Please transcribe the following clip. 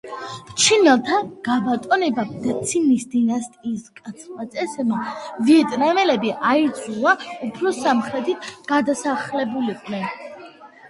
ჩინელთა გაბატონებამ და ცინის დინასტიის მკაცრმა წესებმა, ვიეტნამელები აიძულა უფრო სამხრეთით გადასახლებულიყვნენ.